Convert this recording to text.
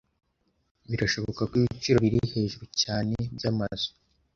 Birashoboka ko ibiciro biri hejuru cyane by'amazu